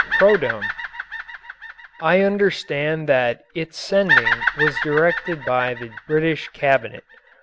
PRODOME. I understand that its sending was directed by the British Cabinet.